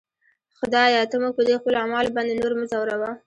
خدایه! ته موږ په دې خپلو اعمالو باندې نور مه ځوروه.